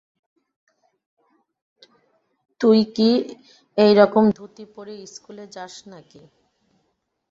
তুই কি এইরকম ধুতি পরে ইস্কুলে যাস নাকি।